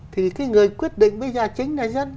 thì cái người quyết định với nhà chính là dân